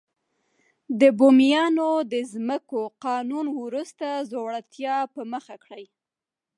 د بومیانو د ځمکو قانون وروسته ځوړتیا په مخه کړې.